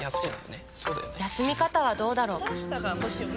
休み方はどうだろう。